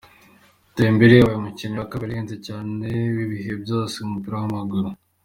Dembele abaye umukinnyi wa kabiri uhenze cyane w'ibihe byose mu mupira w'amaguru.